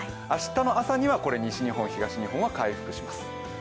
明日の朝にはこれ、西日本東日本は回復します。